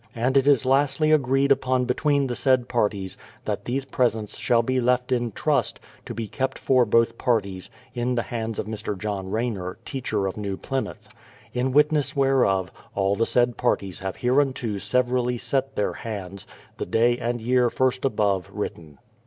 And it is lastly agreed upon between the said parties, that these presents shall be left in trust, to be kept for both parties, in the hands of Mr. John Rayner, teacher of New Plymouth. In witness whereof, all the said parties have hereunto severally set their hands, the day and year first above written.